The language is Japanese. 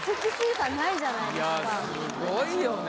・いやすごいよね